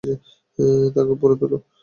তাকে উপরে তোলো।